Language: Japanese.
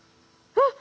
あっ！